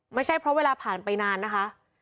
ไม่ใช่เพราะเวลาผ่านไปนานนะคะ